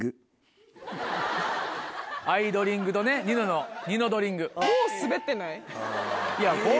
アイドリング！！！とねニノのニノドリング！！！。